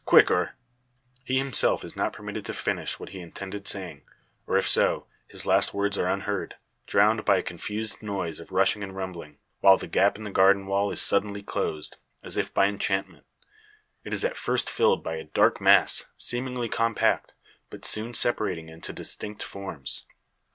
Quick, or " He himself is not permitted to finish what he intended saying; or, if so, his last words are unheard; drowned by a confused noise of rushing and rumbling, while the gap in the garden wall is suddenly closed, as if by enchantment. It is at first filled by a dark mass, seemingly compact, but soon separating into distinct forms.